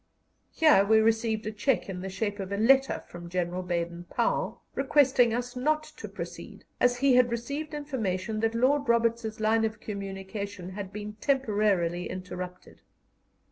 Here we received a check in the shape of a letter from General Baden Powell requesting us not to proceed, as he had received information that Lord Roberts's line of communication had been temporarily interrupted.